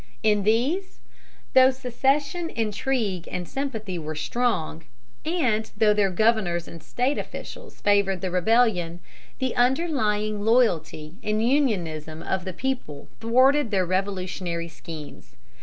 In these, though secession intrigue and sympathy were strong, and though their governors and State officials favored the rebellion, the underlying loyalty and Unionism of the people thwarted their revolutionary schemes.